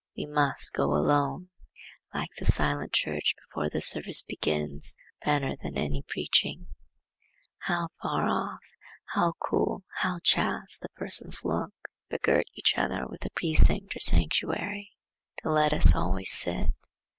We must go alone. I like the silent church before the service begins, better than any preaching. How far off, how cool, how chaste the persons look, begirt each one with a precinct or sanctuary! So let us always sit.